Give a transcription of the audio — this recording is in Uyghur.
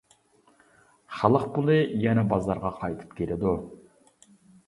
خەلق پۇلى يەنە بازارغا قايتىپ كېلىدۇ.